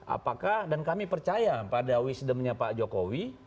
apakah dan kami percaya pada wisdomnya pak jokowi